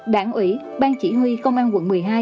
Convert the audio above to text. đảng ủy bang chỉ huy công an quận một mươi hai